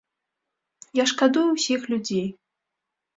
Я шкадую ўсіх людзей.